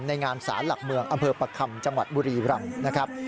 งานศาลหลักเมืองอำเภอประคำจังหวัดบุรีรำนะครับ